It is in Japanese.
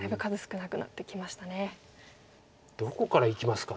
どこからいきますか。